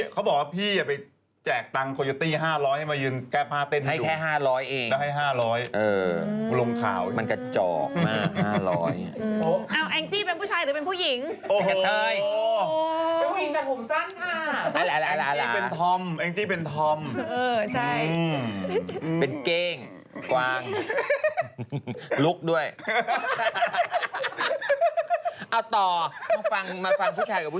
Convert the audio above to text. เขาบอกว่าพี่อย่าไปแจกตังคอยโยตี้๕๐๐ให้มายืนแก้พาเต้นให้อยู่